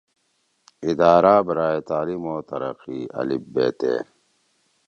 ادارہ برائے تعلیم و ترقی ( ا ب ت)